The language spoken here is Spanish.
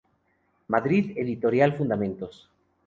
Madrid: Editorial Fundamentos.